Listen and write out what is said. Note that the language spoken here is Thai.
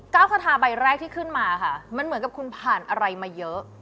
คาทาใบแรกที่ขึ้นมาค่ะมันเหมือนกับคุณผ่านอะไรมาเยอะ